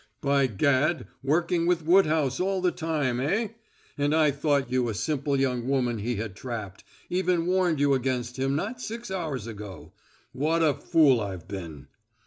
"By gad, working with Woodhouse all the time, eh? And I thought you a simple young woman he had trapped even warned you against him not six hours ago. What a fool I've been!"